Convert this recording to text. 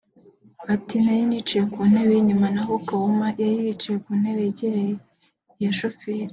Ati “Nari nicaye ku ntebe y’inyuma n’aho Kawuma yicaye ku ntebe yegereye iya shoferi